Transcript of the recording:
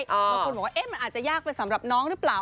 บางคนบอกว่ามันอาจจะยากไปสำหรับน้องหรือเปล่า